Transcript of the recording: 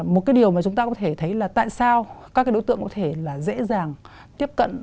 một điều mà chúng ta có thể thấy là tại sao các đối tượng có thể dễ dàng tiếp cận